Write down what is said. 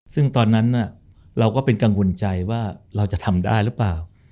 ซึ่งตอนนั้นเราก็เป็นกังวลใจว่าเราจะทำได้หรือเปล่า